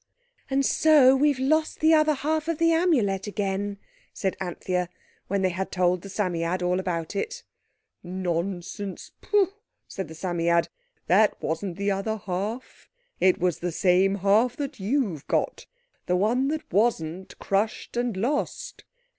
"And so we've lost the other half of the Amulet again," said Anthea, when they had told the Psammead all about it. "Nonsense, pooh!" said the Psammead. "That wasn't the other half. It was the same half that you've got—the one that wasn't crushed and lost."